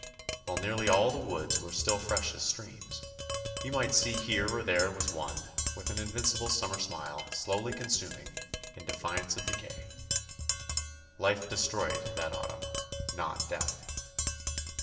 While nearly all the woods were still fresh as streams, you might see that here or there was one, with an invincible summer smile, slowly consuming, in defiance of decay. Life destroyed that autumn, not death.